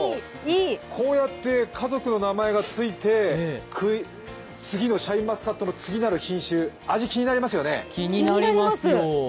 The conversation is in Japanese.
こうやって家族の名前がついてシャインマスカットの次なる品種の味、気になりますよね。